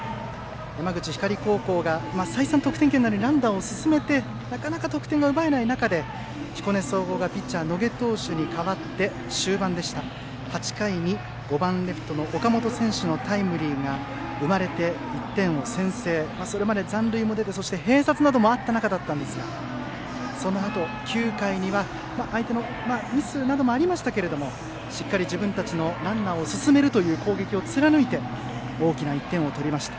山口・光高校が再三、得点圏にランナーを進めてなかなか得点が奪えない中で彦根総合がピッチャー、野下投手に代わって終盤の８回に５番レフトの岡本選手のタイムリーが生まれて１点を先制、それまで残塁も出て併殺などもあった中でしたがそのあと９回には相手のミスなどもありましたけれどしっかり自分たちのランナーを進めるという攻撃を貫いて大きな１点を取りました。